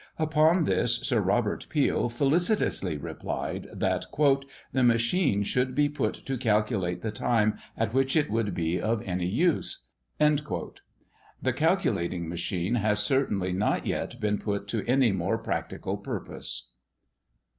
Upon this, Sir Robert Peel felicitously replied, that "the machine should be put to calculate the time at which it would be of any use." The calculating machine has certainly not yet been put to any more practical purpose.